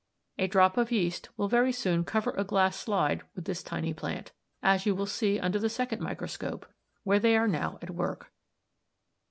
A drop of yeast will very soon cover a glass slide with this tiny plant, as you will see under the second microscope, where they are now at work (Fig.